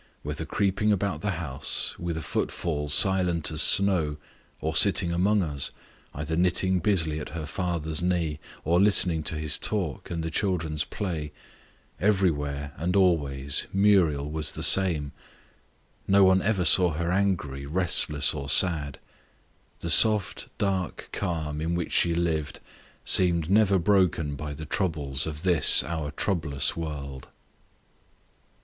Whether creeping about the house, with a foot fall silent as snow, or sitting among us, either knitting busily at her father's knee, or listening to his talk and the children's play, everywhere and always Muriel was the same. No one ever saw her angry, restless, or sad. The soft dark calm in which she lived seemed never broken by the troubles of this our troublous world.